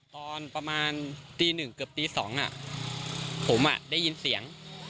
ตอนประมาณตีหนึ่งเกือบตี๒ผมได้ยินเสียง